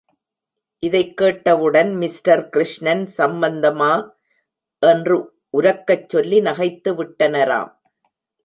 இதைக் கேட்டவுடன் மிஸ்டர் கிருஷ்ணன் சம்பந்தமா! என்று உரக்கச் சொல்லி நகைத்துவிட்டனராம்.